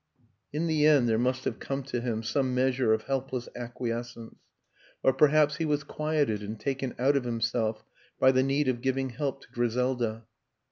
In the end there must have come to him some measure of helpless acquiescence, or perhaps he was quieted and taken out of himself by the need of giving help to Griselda.